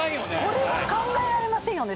これは考えられませんよね